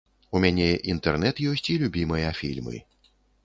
У мяне інтэрнэт ёсць і любімыя фільмы.